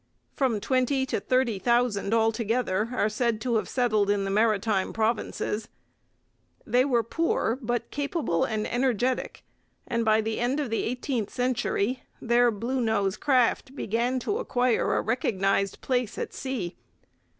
From twenty to thirty thousand altogether are said to have settled in the Maritime Provinces. They were poor, but capable and energetic, and by the end of the eighteenth century their 'Bluenose' craft began to acquire a recognized place at sea.